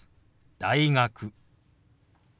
「大学」。